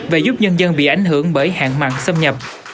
và giúp nhân dân bị ảnh hưởng bởi hạn mặn xâm nhập